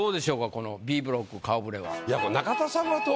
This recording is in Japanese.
このＢブロック顔ぶれは。